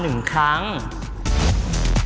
ต่อเนื่องกับท่าที่๔ของเรา